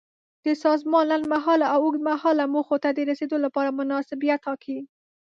د سازمان لنډمهاله او اوږدمهاله موخو ته د رسیدو لپاره مناسبیت ټاکي.